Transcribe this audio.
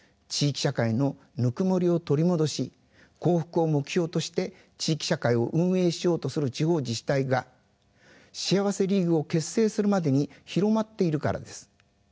地域社会のぬくもりを取り戻し幸福を目標として地域社会を運営しようとする地方自治体が幸せリーグを結成するまでに広まっているからです。